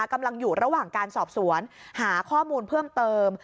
กำลังอยู่ระหว่างการสอบสวนหาข้อมูลเพิ่มเติม